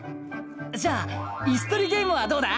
じゃあイスとりゲームはどうだ？